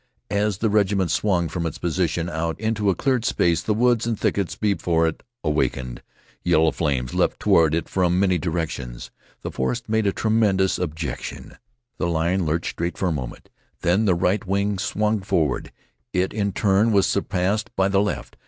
As the regiment swung from its position out into a cleared space the woods and thickets before it awakened. Yellow flames leaped toward it from many directions. The forest made a tremendous objection. The line lurched straight for a moment. Then the right wing swung forward; it in turn was surpassed by the left.